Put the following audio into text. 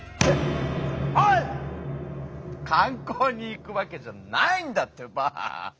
観光に行くわけじゃないんだってば！